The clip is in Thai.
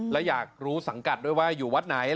และอยากรู้สังกัดด้วยว่าอยู่วัดไหน